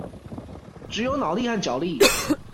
只有腦力和腳力